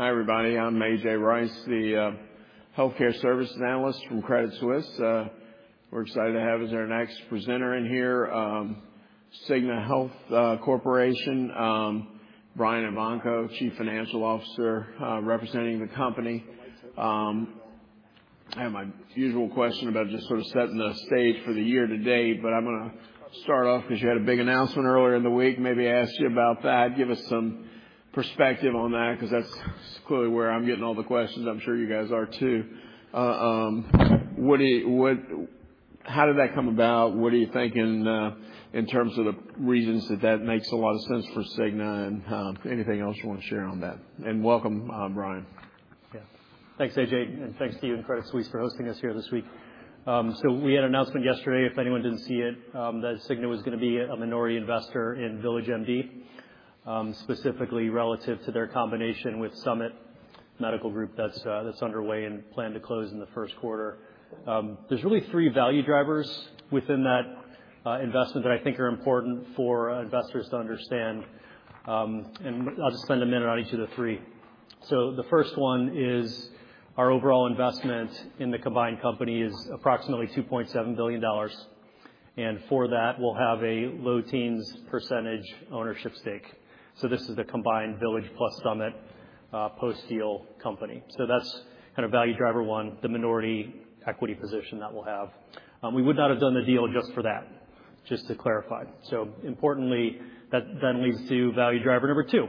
Hi, everybody. I'm A.J. Rice, the Healthcare Services Analyst from Credit Suisse. We're excited to have as our next presenter in here, Cigna Health Corporation, Brian Evanko, Chief Financial Officer representing the company. I have my usual question about just sort of setting the stage for the year today, but I'm going to start off because you had a big announcement earlier in the week. Maybe I ask you about that. Give us some perspective on that because that's clearly where I'm getting all the questions. I'm sure you guys are too. How did that come about? What are you thinking in terms of the reasons that that makes a lot of sense for Cigna and anything else you want to share on that? Welcome, Brian. Yeah. Thanks, A.J. And thanks to you and Credit Suisse for hosting us here this week. We had an announcement yesterday, if anyone didn't see it, that Cigna was going to be a minority investor in VillageMD, specifically relative to their combination with Summit Medical Group that's underway and planned to close in the first quarter. There are really three value drivers within that investment that I think are important for investors to understand. I'll just spend a minute on each of the three. The first one is our overall investment in the combined company is approximately $2.7 billion. For that, we'll have a low teens percentage ownership stake. This is the combined Village plus Summit post-deal company. That's value driver one, the minority equity position that we'll have. We would not have done the deal just for that, just to clarify. Importantly, that then leads to value driver number two.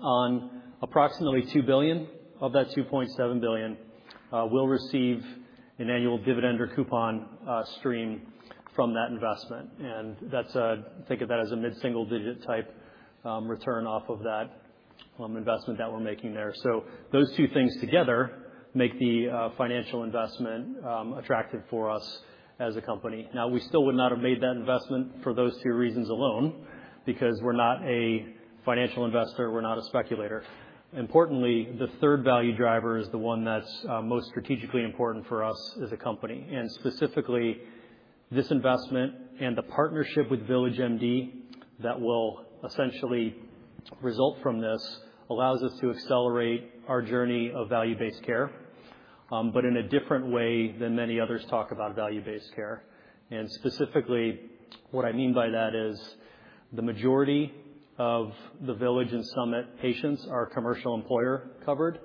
On approximately $2 billion of that $2.7 billion, we'll receive an annual dividend or coupon stream from that investment. Think of that as a mid-single-digit type return off of that investment that we're making there. Those two things together make the financial investment attractive for us as a company. We still would not have made that investment for those two reasons alone because we're not a financial investor. We're not a speculator. Importantly, the third value driver is the one that's most strategically important for us as a company. Specifically, this investment and the partnership with VillageMD that will essentially result from this allows us to accelerate our journey of value-based care, but in a different way than many others talk about value-based care. Specifically, what I mean by that is the majority of the Village and Summit patients are commercial employer covered.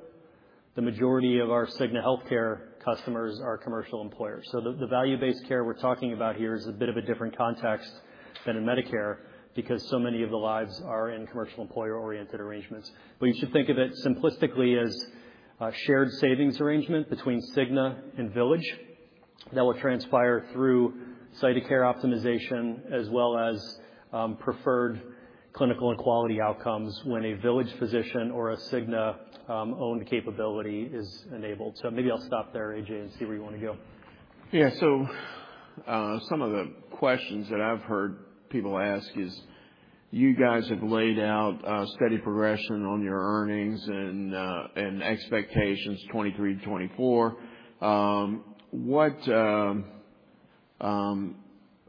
The majority of our Cigna Healthcare customers are commercial employers. The value-based care we're talking about here is a bit of a different context than in Medicare because so many of the lives are in commercial employer-oriented arrangements. You should think of it simplistically as a shared savings arrangement between Cigna and Village that will transpire through site-of-care optimization as well as preferred clinical and quality outcomes when a Village physician or a Cigna-owned capability is enabled. Maybe I'll stop there, A.J., and see where you want to go. Yeah. Some of the questions that I've heard people ask is you guys have laid out a steady progression on your earnings and expectations 2023-2024.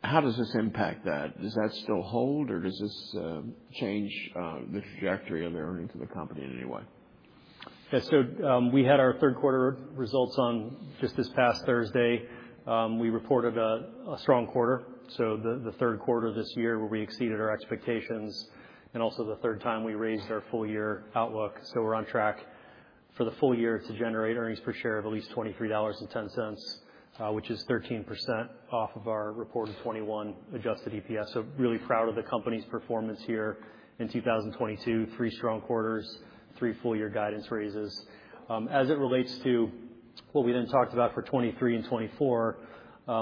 How does this impact that? Does that still hold or does this change the trajectory of earnings in the company in any way? Yeah. We had our third quarter results just this past Thursday. We reported a strong quarter. The third quarter this year, we exceeded our expectations and also the third time we raised our full-year outlook. We're on track for the full year to generate earnings per share of at least $23.10, which is 13% off of our reported 2021 adjusted EPS. Really proud of the company performance here in 2022. Three strong quarters, three full-year guidance raises. As it relates to what we then talked about for 2023 and 2024,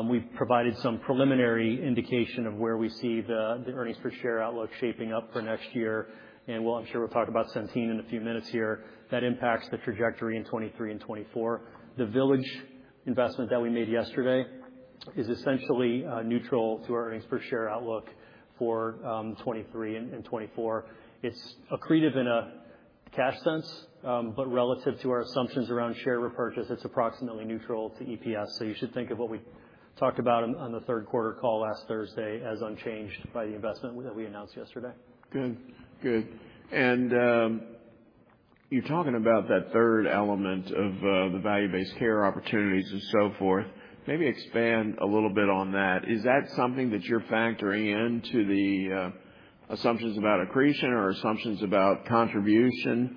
we provided some preliminary indication of where we see the earnings per share outlook shaping up for next year. I'm sure we'll talk about Centene in a few minutes here that impacts the trajectory in 2023 and 2024. The Village investment that we made yesterday is essentially neutral to our earnings per share outlook for 2023 and 2024. It's accretive in a cash sense, but relative to our assumptions around share repurchase, it's approximately neutral to EPS. You should think of what we talked about on the third quarter call last Thursday as unchanged by the investment that we announced yesterday. Good. You're talking about that third element of the value-based care opportunities and so forth. Maybe expand a little bit on that. Is that something that you're factoring into the assumptions about accretion or assumptions about contribution?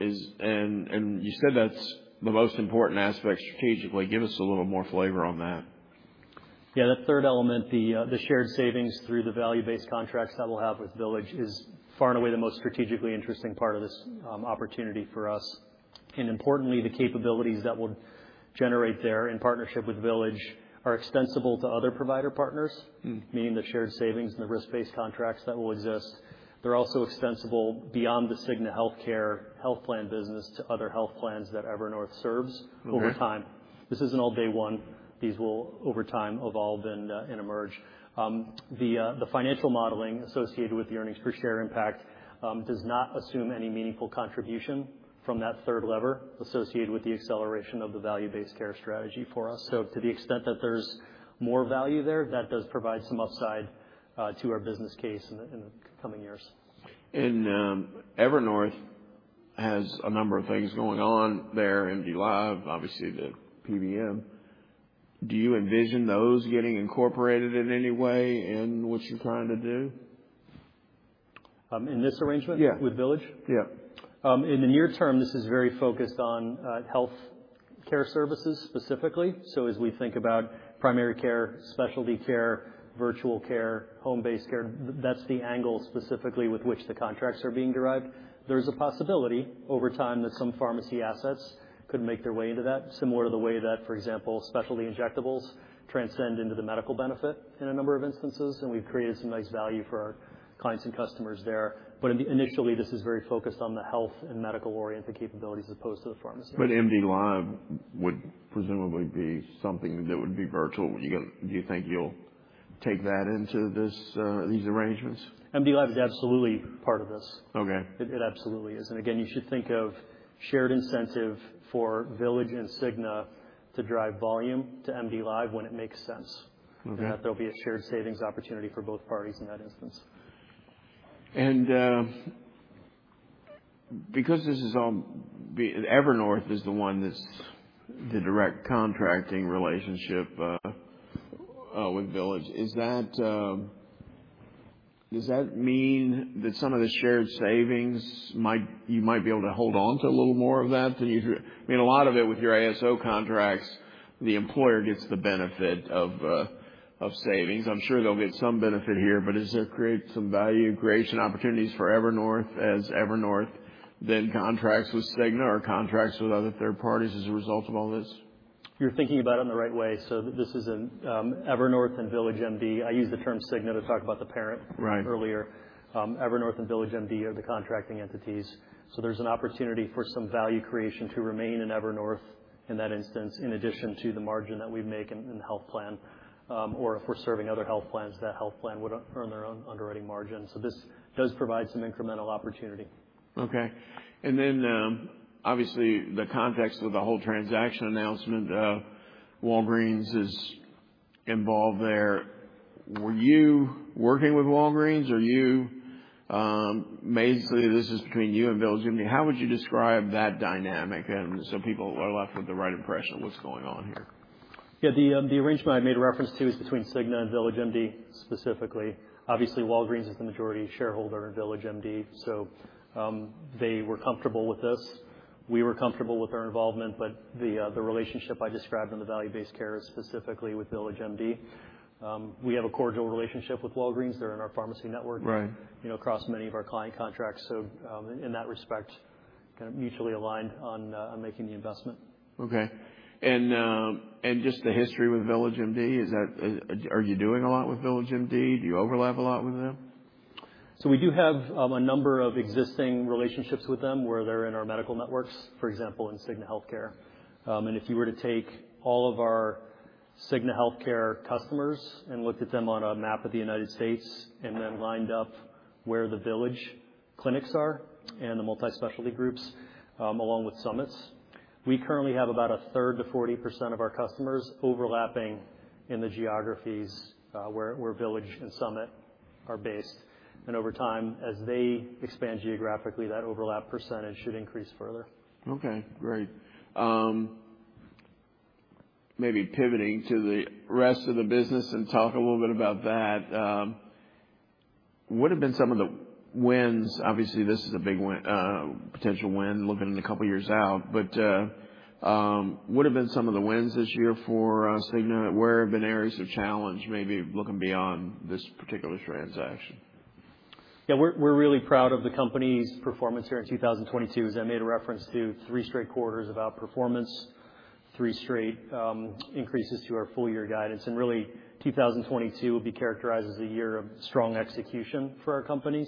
You said that's the most important aspect strategically. Give us a little more flavor on that. Yeah. The third element, the shared savings through the value-based contracts that we'll have with Village is far and away the most strategically interesting part of this opportunity for us. Importantly, the capabilities that we'll generate there in partnership with Village are extensible to other provider partners, meaning the shared savings and the risk-based contracts that will exist. They're also extensible beyond the Cigna Healthcare health plan business to other health plans that Evernorth serves over time. This isn't all day one. These will over time evolve and emerge. The financial modeling associated with the earnings per share impact does not assume any meaningful contribution from that third lever associated with the acceleration of the value-based care strategy for us. To the extent that there's more value there, that does provide some upside to our business case in the coming years. Evernorth has a number of things going on there in July, obviously the PBM. Do you envision those getting incorporated in any way in what you're trying to do? In this arrangement with Village? Yeah. In the near term, this is very focused on health care services specifically. As we think about primary care, specialty care, virtual care, home-based care, that's the angle specifically with which the contracts are being derived. There's a possibility over time that some pharmacy assets could make their way into that, similar to the way that, for example, specialty injectables transcend into the medical benefit in a number of instances. We've created some nice value for our clients and customers there. Initially, this is very focused on the health and medical-oriented capabilities as opposed to the pharmacy. MDLIVE would presumably be something that would be virtual. Do you think you'll take that into these arrangements? MDLIVE is absolutely part of this. Okay. It absolutely is. You should think of shared incentive for Village and Cigna to drive volume to MDLIVE when it makes sense. There will be a shared savings opportunity for both parties in that instance. Because this is all Evernorth is the one that's the direct contracting relationship with Village, does that mean that some of the shared savings you might be able to hold on to a little more of that? I mean, a lot of it with your ASO contracts, the employer gets the benefit of savings. I'm sure they'll get some benefit here, but does there create some value creation opportunities for Evernorth as Evernorth then contracts with Cigna or contracts with other third parties as a result of all this? You're thinking about it in the right way. This isn't Evernorth and VillageMD. I used the term Cigna to talk about the parent earlier. Evernorth and VillageMD are the contracting entities. There's an opportunity for some value creation to remain in Evernorth in that instance, in addition to the margin that we make in the health plan. If we're serving other health plans, that health plan would earn their own underwriting margin. This does provide some incremental opportunity. Okay. Obviously, the context of the whole transaction announcement, Walgreens is involved there. Were you working with Walgreens or you basically, this is between you and VillageMD? How would you describe that dynamic? People are left with the right impression of what's going on here. The arrangement I made reference to is between Cigna and VillageMD specifically. Obviously, Walgreens is the majority shareholder in VillageMD. They were comfortable with this. We were comfortable with our involvement, but the relationship I described in the value-based care is specifically with VillageMD. We have a cordial relationship with Walgreens. They're in our pharmacy network across many of our client contracts. In that respect, kind of mutually aligned on making the investment. Okay. Just the history with VillageMD, are you doing a lot with VillageMD? Do you overlap a lot with them? We do have a number of existing relationships with them where they're in our medical networks, for example, in Cigna Healthcare. If you were to take all of our Cigna Healthcare customers and look at them on a map of the United States and then lined up where the Village clinics are and the multi-specialty groups along with Summit's, we currently have about 1/3 to 40% of our customers overlapping in the geographies where Village and Summit are based. Over time, as they expand geographically, that overlap percentage should increase further. Okay. Great. Maybe pivoting to the rest of the business and talk a little bit about that. What have been some of the wins? Obviously, this is a big potential win looking a couple of years out. What have been some of the wins this year for Cigna? Where have been areas of challenge, maybe looking beyond this particular transaction? Yeah. We're really proud of the company's performance here in 2022. As I made a reference to, three straight quarters of outperformance, three straight increases to our full-year guidance. 2022 would be characterized as a year of strong execution for our company.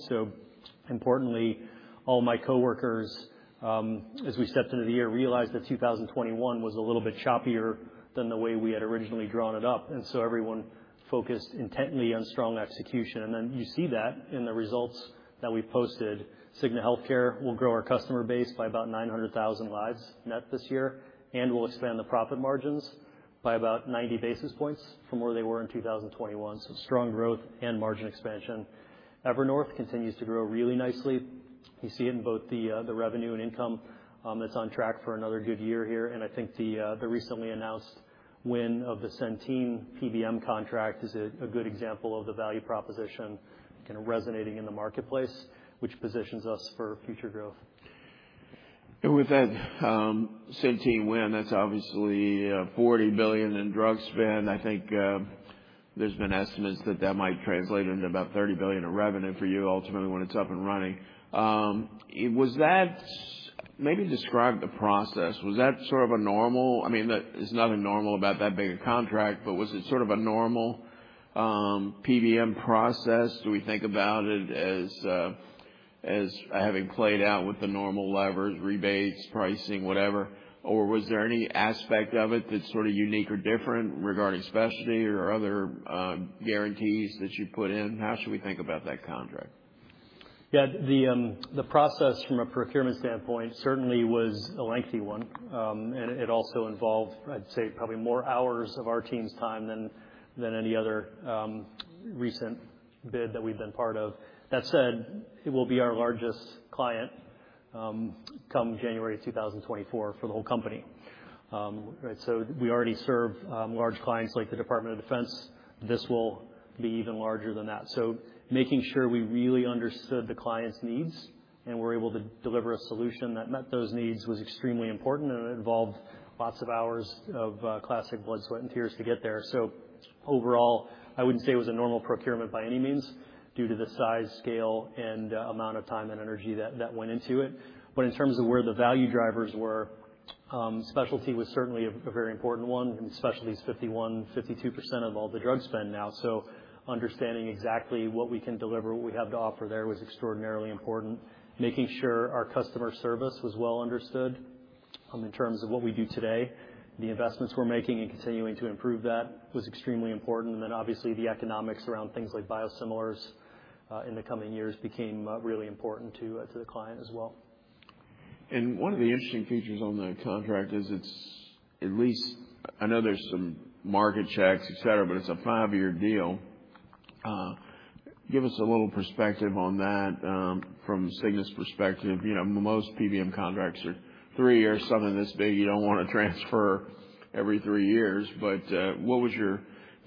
Importantly, all my coworkers, as we stepped into the year, realized that 2021 was a little bit choppier than the way we had originally drawn it up. Everyone focused intently on strong execution. You see that in the results that we posted. Cigna Healthcare will grow our customer base by about 900,000 lives net this year and will expand the profit margins by about 90 basis points from where they were in 2021. Strong growth and margin expansion. Evernorth continues to grow really nicely. You see it in both the revenue and income that's on track for another good year here. I think the recently announced win of the Centene PBM contract is a good example of the value proposition kind of resonating in the marketplace, which positions us for future growth. With that Centene win, that's obviously $40 billion in drug spend. I think there's been estimates that that might translate into about $30 billion in revenue for you ultimately when it's up and running. Was that, maybe describe the process. Was that sort of a normal, I mean, there's nothing normal about that big a contract, but was it sort of a normal PBM process? Do we think about it as having played out with the normal levers, rebates, pricing, whatever? Was there any aspect of it that's sort of unique or different regarding specialty or other guarantees that you put in? How should we think about that contract? Yeah. The process from a procurement standpoint certainly was a lengthy one. It also involved, I'd say, probably more hours of our team's time than any other recent bid that we've been part of. That said, it will be our largest client come January 2024 for the whole company. We already serve large clients like the Department of Defense. This will be even larger than that. Making sure we really understood the client's needs and were able to deliver a solution that met those needs was extremely important and involved lots of hours of classic blood, sweat, and tears to get there. Overall, I wouldn't say it was a normal procurement by any means due to the size, scale, and amount of time and energy that went into it. In terms of where the value drivers were, specialty was certainly a very important one, and especially these 51%, 52% of all the drug spend now. Understanding exactly what we can deliver, what we have to offer there was extraordinarily important. Making sure our customer service was well-understood in terms of what we do today, the investments we're making and continuing to improve that was extremely important. Obviously, the economics around things like biosimilars in the coming years became really important to the client as well. One of the interesting features on that contract is it's at least, I know there's some market checks, etc., but it's a five-year deal. Give us a little perspective on that from Cigna's perspective. You know, most PBM contracts are three years, something this big. You don't want to transfer every three years. What was your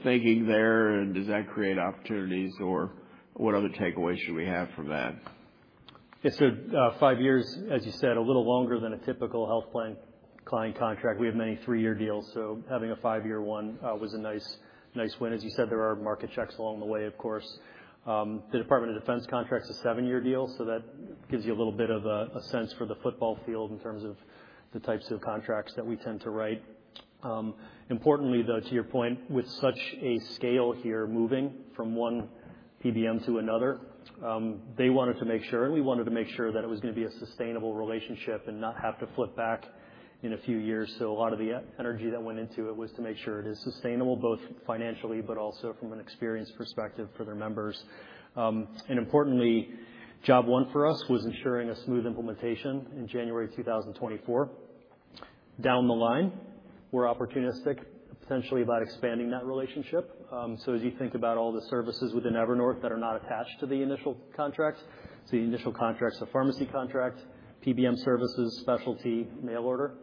thinking there? Does that create opportunities? What other takeaways should we have from that? Yeah. Five years, as you said, a little longer than a typical health plan client contract. We have many three-year deals. Having a five-year one was a nice win. As you said, there are market checks along the way, of course. The Department of Defense contract is a seven-year deal. That gives you a little bit of a sense for the football field in terms of the types of contracts that we tend to write. Importantly, to your point, with such a scale here moving from one PBM to another, they wanted to make sure, and we wanted to make sure that it was going to be a sustainable relationship and not have to flip back in a few years. A lot of the energy that went into it was to make sure it is sustainable both financially, but also from an experience perspective for their members. Importantly, job one for us was ensuring a smooth implementation in January 2024. Down the line, we're opportunistic, potentially about expanding that relationship. As you think about all the services within Evernorth that are not attached to the initial contracts, the initial contracts, the pharmacy contracts, PBM services, specialty, mail order,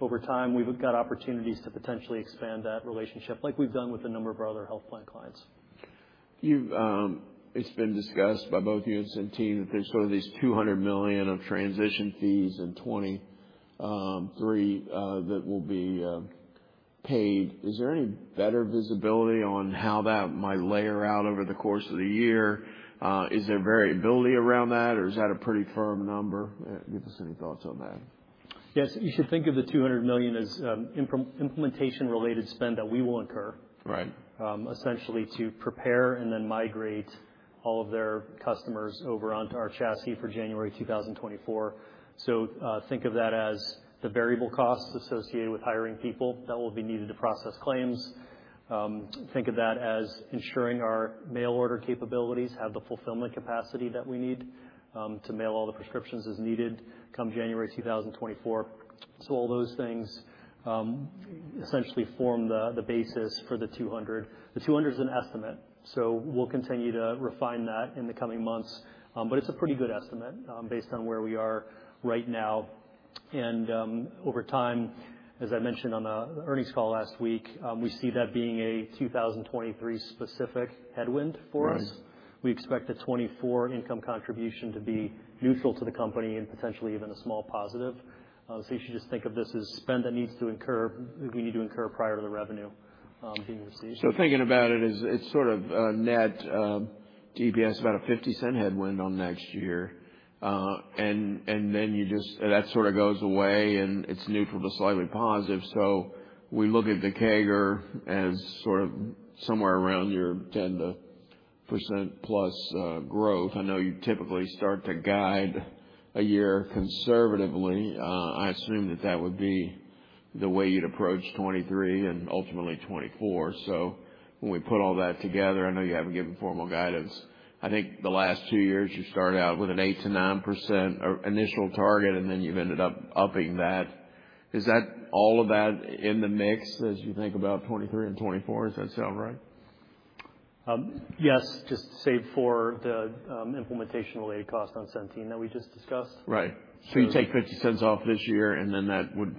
over time, we've got opportunities to potentially expand that relationship like we've done with a number of our other health plan clients. It's been discussed by both you and Centene that there's sort of these $200 million of transition fees in 2023 that will be paid. Is there any better visibility on how that might layer out over the course of the year? Is there variability around that, or is that a pretty firm number? Give us any thoughts on that. Yes. You should think of the $200 million as implementation-related spend that we will incur, essentially to prepare and then migrate all of their customers over onto our chassis for January 2024. Think of that as the variable costs associated with hiring people that will be needed to process claims. Think of that as ensuring our mail order capabilities have the fulfillment capacity that we need to mail all the prescriptions as needed come January 2024. All those things essentially form the basis for the $200 million. The $200 million is an estimate. We will continue to refine that in the coming months. It is a pretty good estimate based on where we are right now. Over time, as I mentioned on the earnings call last week, we see that being a 2023-specific headwind for us. We expect a 2024 income contribution to be neutral to the company and potentially even a small positive. You should just think of this as spend that we need to incur prior to the revenue being received. Thinking about it, it's sort of a net DBS, about a $0.50 headwind on next year. That sort of goes away and it's neutral to slightly positive. We look at the CAGR as somewhere around your 10%+ growth. I know you typically start to guide a year conservatively. I assume that would be the way you'd approach 2023 and ultimately 2024. When we put all that together, I know you haven't given formal guidance. I think the last two years you started out with an 8%-9% initial target, and then you've ended up upping that. Is all of that in the mix as you think about 2023 and 2024? Does that sound right? Yes, just save for the implementation-related cost on Centene that we just discussed. Right. You take $0.50 off this year, and that would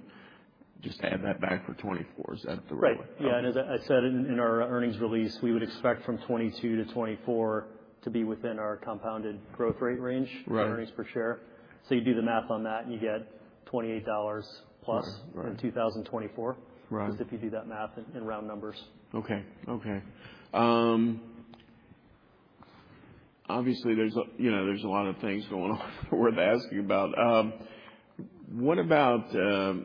just add that back for 2024. Is that the right way? Right. Yeah. As I said in our earnings release, we would expect from 2022-2024 to be within our compounded growth rate range for earnings per share. You do the math on that and you get $28+ in 2024. Right. If you do that math in round numbers. Okay. Obviously, there's a lot of things going on worth asking about. What about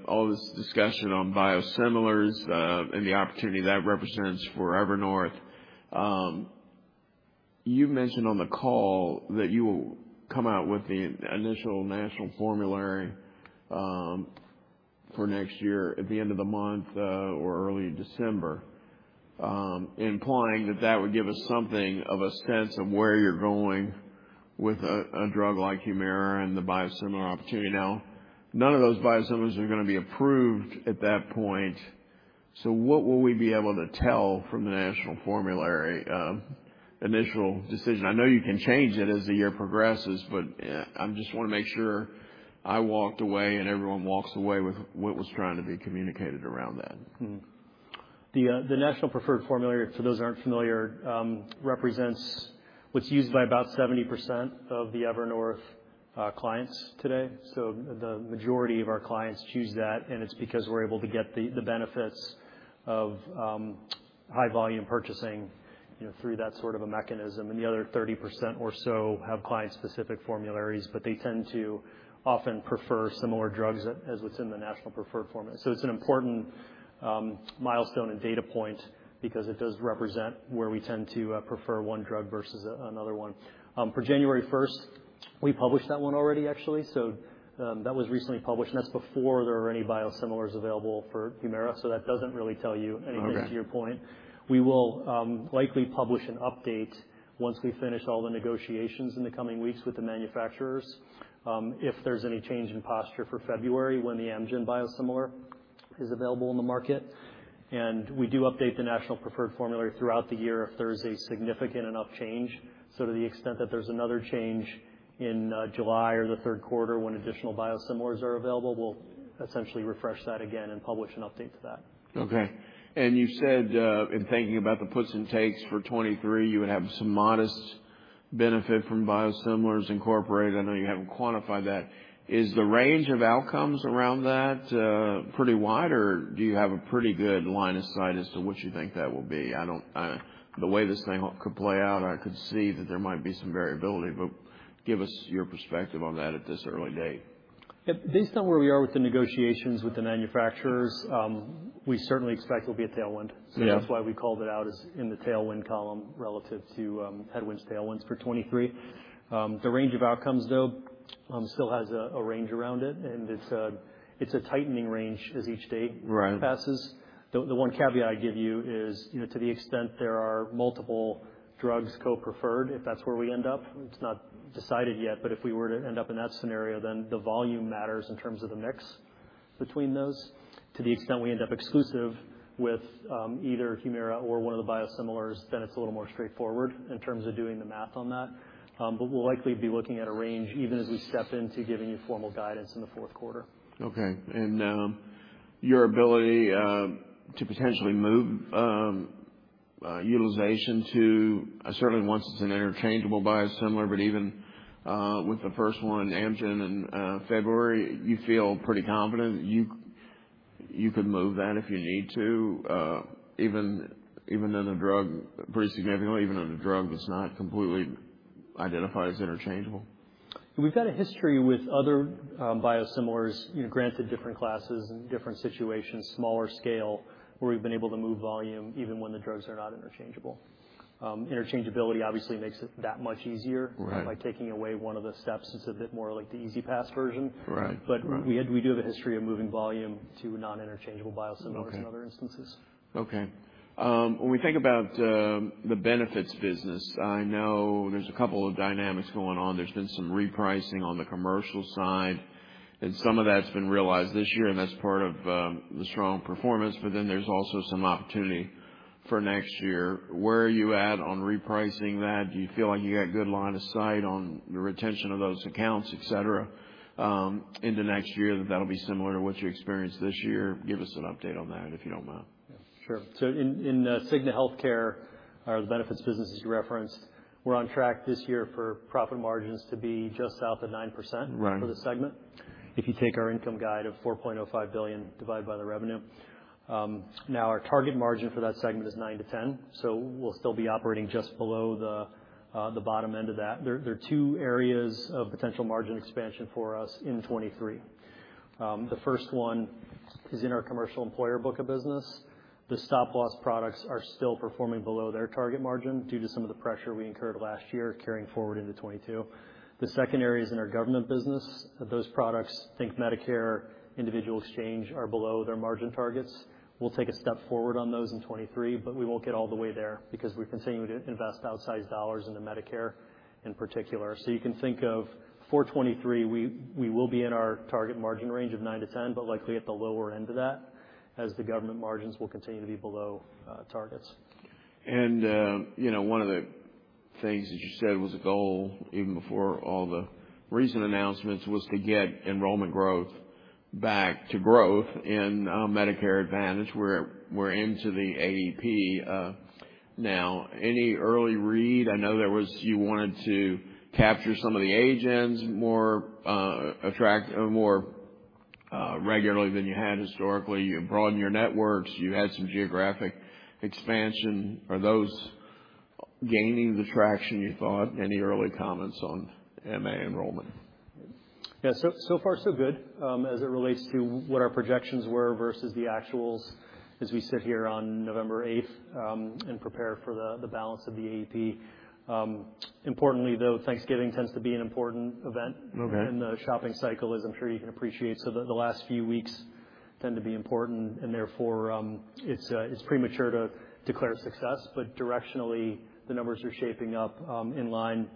all this discussion on biosimilars and the opportunity that represents for Evernorth? You've mentioned on the call that you will come out with the initial national formulary for next year at the end of the month or early December, implying that that would give us something of a sense of where you're going with a drug like HUMIRA and the biosimilar opportunity. Now, none of those biosimilars are going to be approved at that point. What will we be able to tell from the national formulary initial decision? I know you can change it as the year progresses, but I just want to make sure I walked away and everyone walks away with what was trying to be communicated around that. The national preferred formulary, for those who aren't familiar, represents what's used by about 70% of the Evernorth clients today. The majority of our clients choose that, and it's because we're able to get the benefits of high-volume purchasing through that sort of a mechanism. The other 30% or so have client-specific formularies, but they tend to often prefer similar drugs as within the national preferred formulary. It's an important milestone and data point because it does represent where we tend to prefer one drug versus another one. For January 1, we published that one already, actually. That was recently published, and that's before there are any biosimilars available for HUMIRA. That doesn't really tell you anything to your point. We will likely publish an update once we finish all the negotiations in the coming weeks with the manufacturers if there's any change in posture for February when the Amgen biosimilar is available in the market. We do update the national preferred formulary throughout the year if there's a significant enough change. To the extent that there's another change in July or the third quarter when additional biosimilars are available, we'll essentially refresh that again and publish an update to that. Okay. You said, in thinking about the puts and takes for 2023, you would have some modest benefit from biosimilars incorporated. I know you haven't quantified that. Is the range of outcomes around that pretty wide, or do you have a pretty good line of sight as to what you think that will be? I don't, the way this thing could play out, I could see that there might be some variability, but give us your perspective on that at this early date. Based on where we are with the negotiations with the manufacturers, we certainly expect it'll be a tailwind. That's why we called it out as in the tailwind column relative to headwinds, tailwinds for 2023. The range of outcomes, though, still has a range around it, and it's a tightening range as each date passes. The one caveat I give you is, to the extent there are multiple drugs co-preferred, if that's where we end up, it's not decided yet. If we were to end up in that scenario, then the volume matters in terms of the mix between those. To the extent we end up exclusive with either HUMIRA or one of the biosimilars, then it's a little more straightforward in terms of doing the math on that. We'll likely be looking at a range even as we step into giving you formal guidance in the fourth quarter. Okay. Your ability to potentially move utilization to, certainly once it's an interchangeable biosimilar, but even with the first one, Amgen, in February, you feel pretty confident you could move that if you need to, even in a drug, pretty significantly, even in a drug that's not completely identified as interchangeable? We've got a history with other biosimilars, you know, granted different classes and different situations, smaller scale, where we've been able to move volume even when the drugs are not interchangeable. Interchangeability obviously makes it that much easier by taking away one of the steps. It's a bit more like the easy pass version. Right. We do have a history of moving volume to non-interchangeable biosimilars in other instances. Okay. When we think about the benefits business, I know there's a couple of dynamics going on. There's been some repricing on the commercial side, and some of that's been realized this year, and that's part of the strong performance. There's also some opportunity for next year. Where are you at on repricing that? Do you feel like you got a good line of sight on the retention of those accounts, etc., into next year that that'll be similar to what you experienced this year? Give us an update on that if you don't mind. Sure. In Cigna Healthcare, or the benefits business as you referenced, we're on track this year for profit margins to be just south of 9% for the segment. If you take our income guide of $4.05 billion divided by the revenue, our target margin for that segment is 9%-10%. We'll still be operating just below the bottom end of that. There are two areas of potential margin expansion for us in 2023. The first one is in our commercial employer book of business. The stop-loss products are still performing below their target margin due to some of the pressure we incurred last year carrying forward into 2022. The second area is in our government business. Those products, think Medicare, individual exchange, are below their margin targets. We'll take a step forward on those in 2023, but we won't get all the way there because we continue to invest outsized dollars into Medicare in particular. You can think of for 2023, we will be in our target margin range of 9%-10%, but likely at the lower end of that as the government margins will continue to be below targets. One of the things that you said was a goal even before all the recent announcements was to get enrollment growth back to growth in Medicare Advantage. We're into the AEP now. Any early read? I know you wanted to capture some of the agents more attractive, more regularly than you had historically. You broadened your networks. You had some geographic expansion. Are those gaining the traction you thought? Any early comments on MA enrollment? Yeah. So far, so good as it relates to what our projections were versus the actual as we sit here on November 8th and prepare for the balance of the AEP. Importantly, though, Thanksgiving tends to be an important event in the shopping cycle, as I'm sure you can appreciate. The last few weeks tend to be important, and therefore, it's premature to declare success. Directionally, the numbers are shaping up in line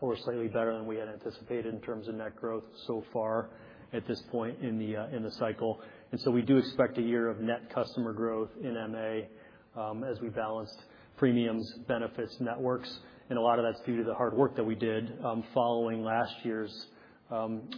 or slightly better than we had anticipated in terms of net growth so far at this point in the cycle. We do expect a year of net customer growth in MA as we balance freemiums, benefits, networks. A lot of that's due to the hard work that we did following last year's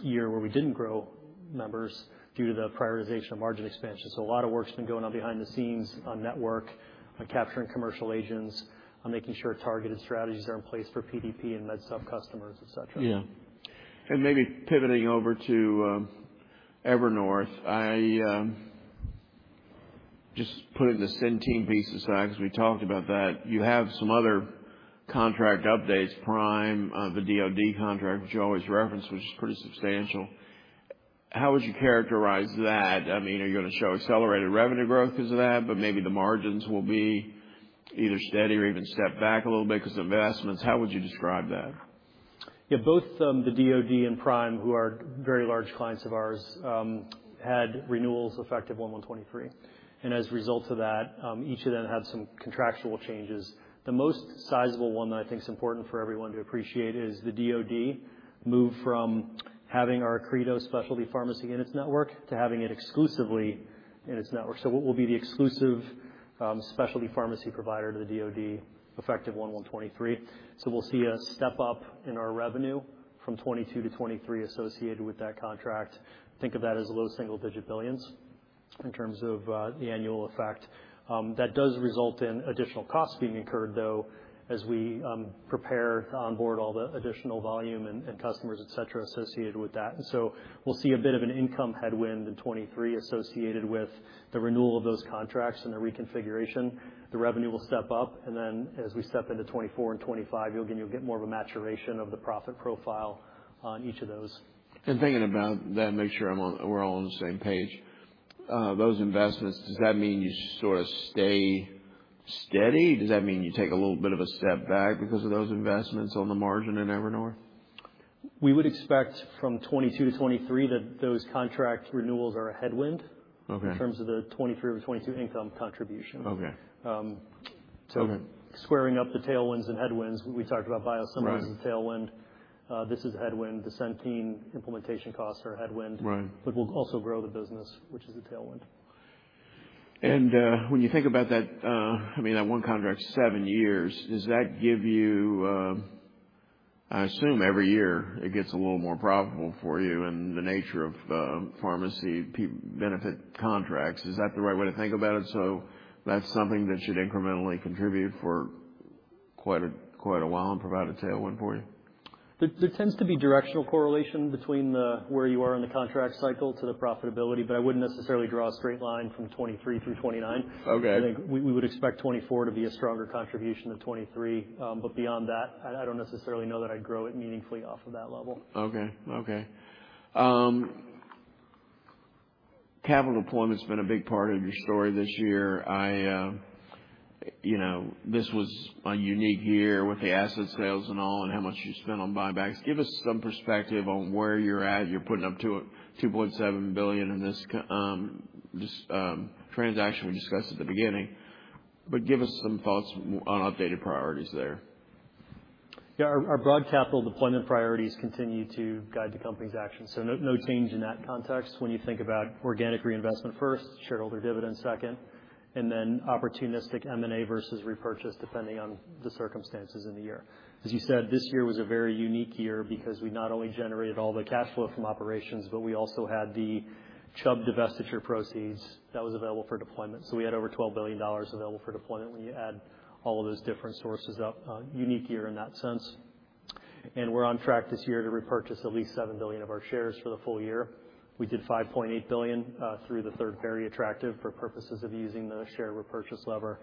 year where we didn't grow members due to the prioritization of margin expansion. A lot of work's been going on behind the scenes on network, on capturing commercial agents, on making sure targeted strategies are in place for PDP and med sub customers, etc. Yeah. Maybe pivoting over to Evernorth, just putting the Centene piece aside because we talked about that. You have some other contract updates, Prime, the DoD contract, which you always reference, which is pretty substantial. How would you characterize that? I mean, are you going to show accelerated revenue growth because of that, but maybe the margins will be either steady or even step back a little bit because of investments? How would you describe that? Yeah. Both the DoD and Prime, who are very large clients of ours, had renewals effective 1/1/2023. As a result of that, each of them had some contractual changes. The most sizable one that I think is important for everyone to appreciate is the DoD moved from having our Accredo Specialty Pharmacy in its network to having it exclusively in its network. We will be the exclusive specialty pharmacy provider to the DoD effective 1/1/2023. We will see a step up in our revenue from 2022-2023 associated with that contract. Think of that as low single-digit billions in terms of the annual effect. That does result in additional costs being incurred, though, as we prepare to onboard all the additional volume and customers, etc., associated with that. We will see a bit of an income headwind in 2023 associated with the renewal of those contracts and their reconfiguration. The revenue will step up, and as we step into 2024 and 2025, you will get more of a maturation of the profit profile on each of those. Thinking about that, make sure we're all on the same page. Those investments, does that mean you sort of stay steady? Does that mean you take a little bit of a step back because of those investments on the margin in Evernorth? We would expect from 2022-2023 that those contract renewals are a headwind in terms of the 2023 over 2022 income contribution. Okay. Squaring up the tailwinds and headwinds, we talked about biosimilars as a tailwind. This is a headwind. The Centene implementation costs are a headwind. Right. We will also grow the business, which is the tailwind. When you think about that, I mean, that one contract's seven years, does that give you, I assume every year it gets a little more profitable for you in the nature of pharmacy benefit contracts? Is that the right way to think about it? That is something that should incrementally contribute for quite a while and provide a tailwind for you? There tends to be directional correlation between where you are in the contract cycle to the profitability, but I wouldn't necessarily draw a straight line from 2023 through 2029. Okay. We would expect 2024 to be a stronger contribution than 2023. Beyond that, I don't necessarily know that I'd grow it meaningfully off of that level. Okay. Capital deployment's been a big part of your story this year. This was a unique year with the asset sales and all and how much you spent on buying back. Give us some perspective on where you're at. You're putting up $2.7 billion in this transaction we discussed at the beginning. Give us some thoughts on updated priorities there. Yeah. Our broad capital deployment priorities continue to guide the company's actions. No change in that context when you think about organic reinvestment first, shareholder dividends second, and then opportunistic M&A versus repurchase depending on the circumstances in the year. As you said, this year was a very unique year because we not only generated all the cash flow from operations, but we also had the Chubb divestiture proceeds that was available for deployment. We had over $12 billion available for deployment when you add all of those different sources. A unique year in that sense. We're on track this year to repurchase at least $7 billion of our shares for the full year. We did $5.8 billion through the third, very attractive for purposes of using the share repurchase lever.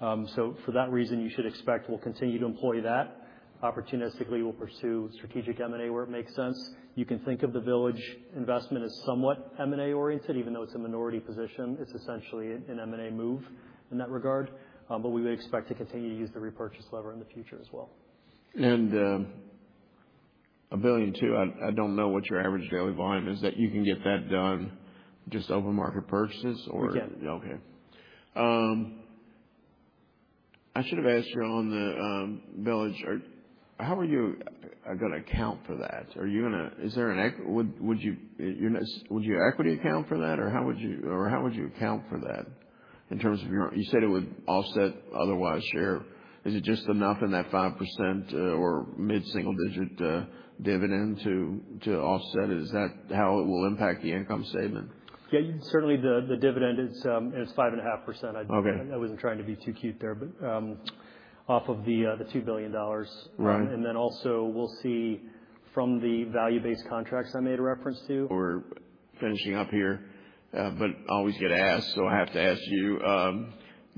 For that reason, you should expect we'll continue to employ that. Opportunistically, we'll pursue strategic M&A where it makes sense. You can think of the Village investment as somewhat M&A oriented, even though it's a minority position. It's essentially an M&A move in that regard. We would expect to continue to use the repurchase lever in the future as well. $1 billion too, I don't know what your average daily volume is. You can get that done just over market purchases or? Yeah. Okay. I should have asked you on the Village, or how are you going to account for that? Are you going to, is there an equity, would your equity account for that, or how would you account for that in terms of your, you said it would offset otherwise share. Is it just enough in that 5% or mid-single-digit dividend to offset it? Is that how it will impact the income statement? Yeah. Certainly, the dividend is, and it's 5.5%. I wasn't trying to be too cute there, but off of the $2 billion. Right. We will see from the value-based contracts I made a reference to. We're finishing up here, but I always get asked, so I have to ask you.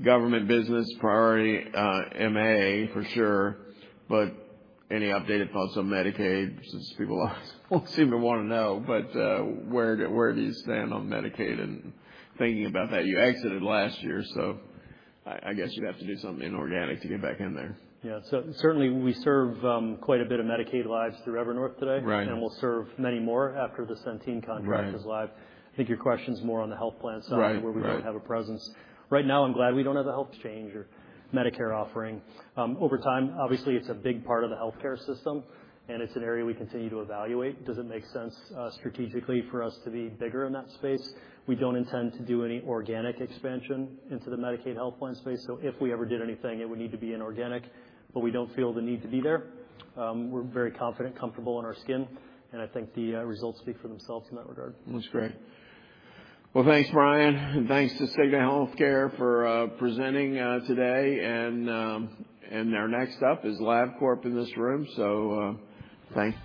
Government business priority MA for sure, but any updated thoughts on Medicaid since people seem to want to know, where do you stand on Medicaid? Thinking about that, you exited last year, so I guess you'd have to do something inorganic to get back in there. Yeah. Certainly, we serve quite a bit of Medicaid lives through Evernorth today, and we'll serve many more after the Centene contract is live. I think your question's more on the health plan side where we don't have a presence. Right now, I'm glad we don't have a health exchange or Medicare offering. Over time, obviously, it's a big part of the healthcare system, and it's an area we continue to evaluate. Does it make sense strategically for us to be bigger in that space? We don't intend to do any organic expansion into the Medicaid health plan space. If we ever did anything, it would need to be inorganic, but we don't feel the need to be there. We're very confident, comfortable in our skin, and I think the results speak for themselves in that regard. That's great. Thanks, Brian, and thanks to Cigna Healthcare for presenting today. Our next up is Labcorp in this room. Thanks.